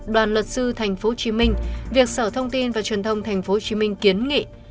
đoàn luật sư tp hcm việc sở thông tin và truyền thông tp hcm kiến nghị